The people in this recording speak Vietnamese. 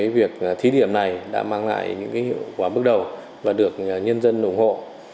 việc thí điểm này đã mang lại những hiệu quả bước đầu và được nhân dân ủng hộ